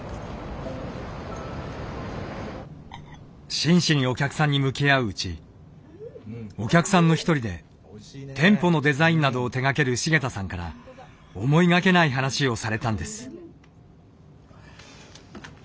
真摯にお客さんに向き合ううちお客さんの一人で店舗のデザインなどを手がける繁田さんから思いがけない話をされたんです。